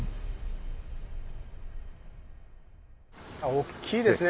おっきいですね